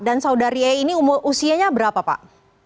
dan saudari e ini usianya berapa pak